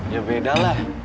ya beda lah